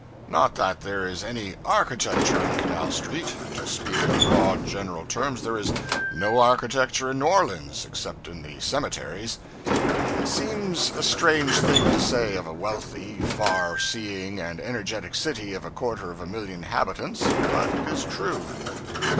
Not that there is any 'architecture' in Canal Street: to speak in broad, general terms, there is no architecture in New Orleans, except in the cemeteries. It seems a strange thing to say of a wealthy, far seeing, and energetic city of a quarter of a million inhabitants, but it is true.